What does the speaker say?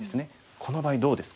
この場合どうですか？